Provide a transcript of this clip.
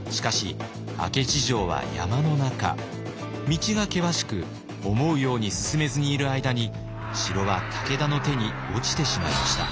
道が険しく思うように進めずにいる間に城は武田の手に落ちてしまいました。